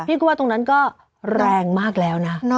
ตรงนั้นก็แรงมากแล้วนะ